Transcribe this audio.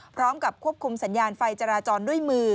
พร้อมกับควบคุมสัญญาณไฟจราจรด้วยมือ